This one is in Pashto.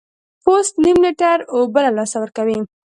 پوست نیم لیټر اوبه له لاسه ورکوي.